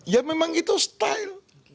ya memang itu style